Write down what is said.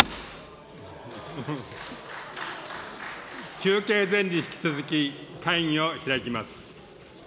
休憩前に引き続き、会議を開きます。